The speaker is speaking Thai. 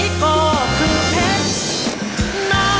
พ่อพ่อหรือท่อ